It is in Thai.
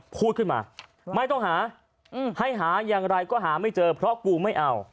พูดขึ้นมาไม่ต้องหาให้หาอย่างไรก็หาไม่เจอเพราะกูไม่เอา